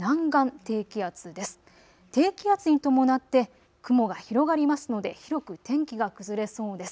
低気圧に伴って雲が広がりますので、広く天気が崩れそうです。